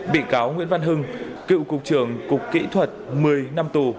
bị cáo nguyễn văn hưng cựu cục trưởng cục kỹ thuật một mươi năm tù